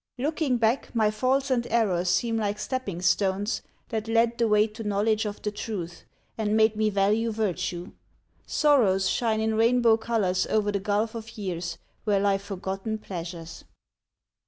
Looking back, My faults and errors seem like stepping stones That led the way to knowledge of the truth And made me value virtue; sorrows shine In rainbow colors o'er the gulf of years, Where lie forgotten pleasures.